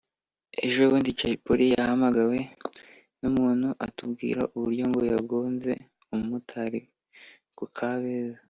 ejobundi Jay Polly yahamagawe n’umuntu atubwira uburyo ngo yagonze umumotari ku Kabeza [